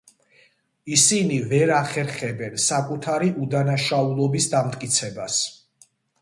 ისინი ვერ ახერხებენ საკუთარი უდანაშაულობის დამტკიცებას.